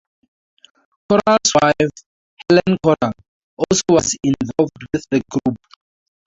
Koral's wife, Helen Koral, also was involved with the group.